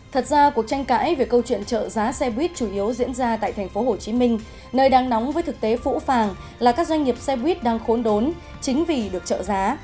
thật ra cuộc tranh cãi về câu chuyện trợ giá xe buýt chủ yếu diễn ra tại tp hcm nơi đang nóng với thực tế phũ phàng là các doanh nghiệp xe buýt đang khốn đốn chính vì được trợ giá